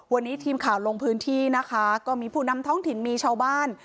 วันนี้ทีมข่าวลงพื้นที่นะคะก็มีผู้นำท้องถิ่นมีชาวบ้าน